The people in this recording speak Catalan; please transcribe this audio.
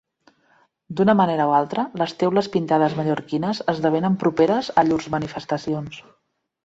D'una manera o altra, les teules pintades mallorquines esdevenen properes a llurs manifestacions.